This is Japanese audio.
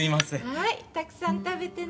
はいたくさん食べてね。